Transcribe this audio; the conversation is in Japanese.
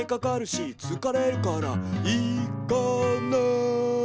「つかれるから行かない！」